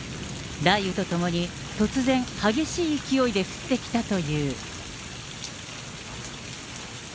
雷雨とともに、突然、激しい勢いで降ってきたという。